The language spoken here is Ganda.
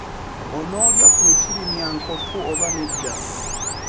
Onoolya ku mitirimyankofu oba nedda?